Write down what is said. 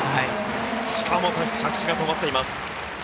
しかも、着地が止まっています。